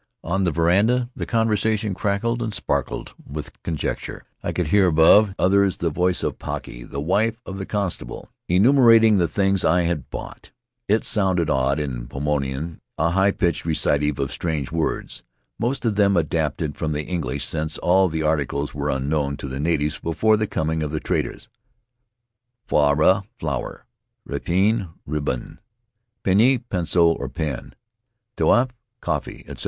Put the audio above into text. On the veranda the conversation crackled and sparkled with conjecture. I could hear above the others the voice of Paki, wife of the constable, enu merating the things I had bought. It sounded odd in Paumotuan — a high pitched recitative of strange words, most of them adapted from the English since all of the articles were unknown to the natives before the coming of the traders — faraoa (flour), ripine (rib bon), pent (pencil or pen), taofe (coffee), etc.